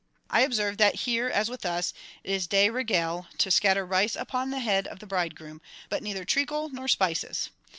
I observed that here, as with us, it is de règle to scatter rice upon the head of the bridegroom but neither treacle nor spices.